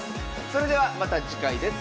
それではまた次回です。